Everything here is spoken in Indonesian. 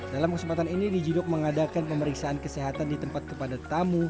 dalam kesempatan ini nijidok mengadakan pemeriksaan kesehatan di tempat kepada tamu